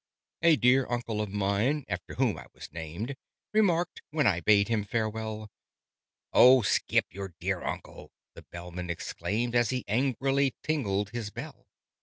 "A dear uncle of mine (after whom I was named) Remarked, when I bade him farewell " "Oh, skip your dear uncle!" the Bellman exclaimed, As he angrily tingled his bell.